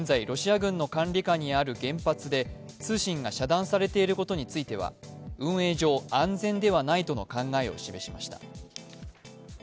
現在、ロシア軍の管理下にある原発で通信が遮断されていることについては運営上、安全ではないとの考えを示しました。